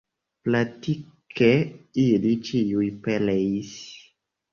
Praktike ili ĉiuj pereis.